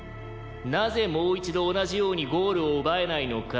「なぜもう一度同じようにゴールを奪えないのか？」